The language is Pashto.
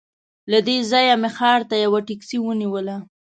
له دې ځایه مې ښار ته یوه ټکسي ونیوله.